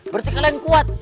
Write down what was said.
prt kalian kuat